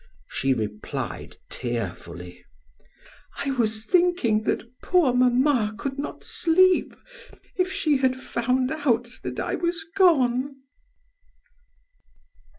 She replied tearfully: "I was thinking that poor mamma could not sleep if she had found out that I was gone!"